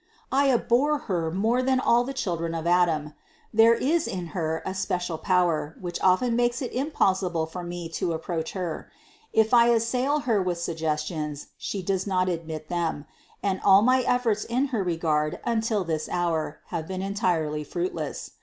I abhor Her more than all the children of Adam. There is in Her a special power, which often makes it im possible for me to approach Her; if I assail Her with suggestions, She does not admit them, and all my efforts in her regard until this hour have been entirely fruitless.